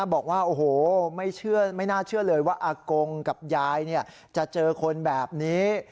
บอกว่าโอ้โหไม่น่าเชื่อเลยว่าอากงกับยายจะเจอคนแบบนี้